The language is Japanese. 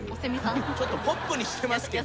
ちょっとポップにしてますけど。